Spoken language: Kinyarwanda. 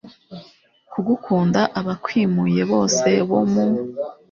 kugukunda, abakwimuye bose bo mu